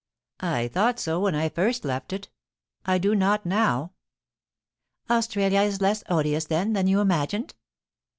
* I thought so when I first left it ; I do not now.' * Australia is less odious, then, than you imagined